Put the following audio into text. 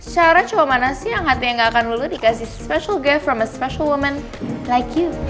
secara cowok mana sih yang hatinya gak akan lulu dikasih special gift from a special woman like you